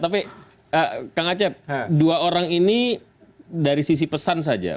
tapi kang acep dua orang ini dari sisi pesan saja